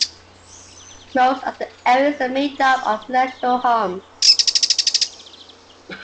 Most of the area is made up of residential homes.